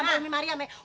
sama umi maria meh